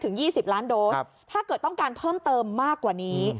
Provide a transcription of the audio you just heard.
๒๐ล้านโดสถ้าเกิดต้องการเพิ่มเติมมากกว่านี้